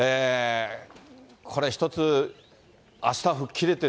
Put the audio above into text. これ一つ、あした吹っ切れて、